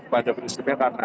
pada prinsipnya karena